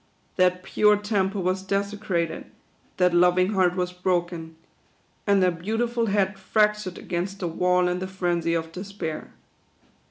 That pure temple was desecrated ; that loving heart was broken; and that beautiful head fractured against the wall in the frenzy of despair.